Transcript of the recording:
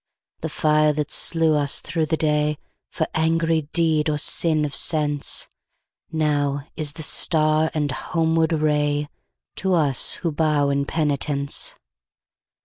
The fire that slew us through the dayFor angry deed or sin of senseNow is the star and homeward rayTo us who bow in penitence.